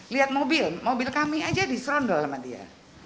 lihat mobil mobil kami aja diserondol sama dia